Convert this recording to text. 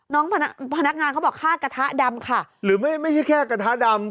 พนักงานพนักงานเขาบอกค่ากระทะดำค่ะหรือไม่ไม่ใช่แค่กระทะดำ